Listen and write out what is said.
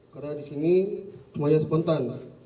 karena di sini semuanya spontan